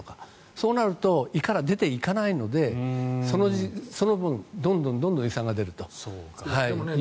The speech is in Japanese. そうなると胃から出ていかないのでその分、どんどん胃酸が出るということはいえると思います。